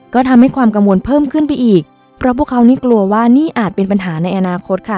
ก็ทำให้ความกังวลเพิ่มขึ้นไปอีกเพราะพวกเขานี่กลัวว่านี่อาจเป็นปัญหาในอนาคตค่ะ